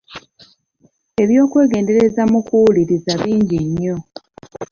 Eby’okwegendereza mu kuwuliriza bingi nnyo.